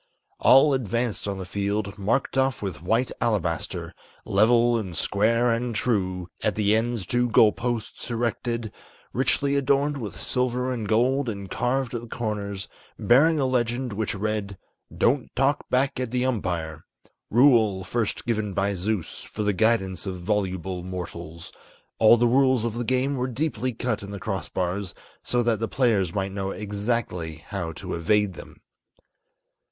All advanced on the field, marked off with white alabaster, Level and square and true, at the ends two goal posts erected, Richly adorned with silver and gold and carved at the corners, Bearing a legend which read, "Don't talk back at the umpire" Rule first given by Zeus, for the guidance of voluble mortals. All the rules of the game were deeply cut in the crossbars, So that the players might know exactly how to evade them.